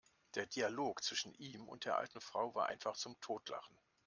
Der Dialog zwischen ihm und der alten Frau war einfach zum Totlachen!